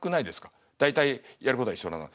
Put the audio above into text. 大体やることは一緒なの。